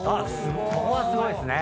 そこはすごいですね。